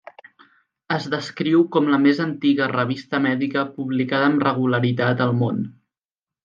Es descriu com la més antiga revista mèdica publicada amb regularitat al món.